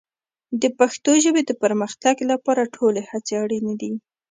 د پښتو ژبې د پرمختګ لپاره ټولې هڅې اړین دي.